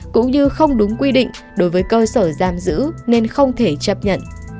cũng như không đúng quy định đối với cơ sở giam giữ nên không thể chấp nhận